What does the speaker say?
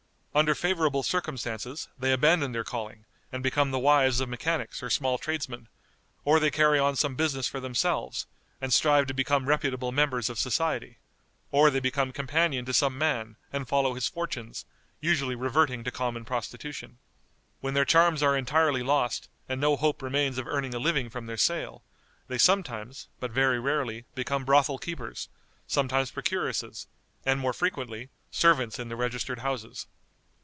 Under favorable circumstances, they abandon their calling, and become the wives of mechanics or small tradesmen; or they carry on some business for themselves, and strive to become reputable members of society; or they become companion to some man, and follow his fortunes, usually reverting to common prostitution. When their charms are entirely lost, and no hope remains of earning a living from their sale, they sometimes, but very rarely, become brothel keepers; sometimes procuresses; and, more frequently, servants in the registered houses.